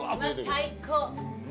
最高！